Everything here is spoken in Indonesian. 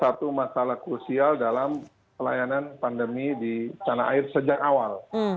satu masalah krusial dalam pelayanan pandemi di tanah air sejak awal